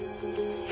え？